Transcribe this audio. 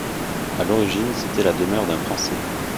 À l'origine, c'était la demeure d'un Français.